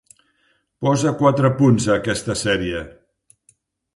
Posa quatre punts a aquesta sèrie